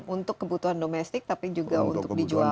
untuk kebutuhan domestik tapi juga untuk dijual